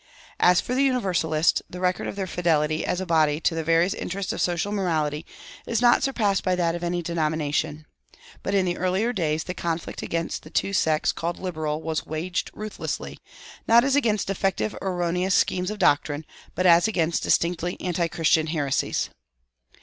As for the Universalists, the record of their fidelity, as a body, to the various interests of social morality is not surpassed by that of any denomination. But in the earlier days the conflict against the two sects called "liberal" was waged ruthlessly, not as against defective or erroneous schemes of doctrine, but as against distinctly antichristian heresies.